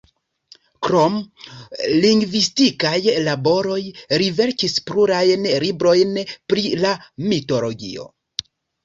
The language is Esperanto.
Krom lingvistikaj laboroj, li verkis plurajn librojn pri la mitologio.